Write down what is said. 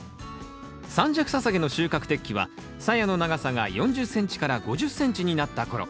三尺ササゲの収穫適期はさやの長さが４０ｃｍから５０ｃｍになった頃。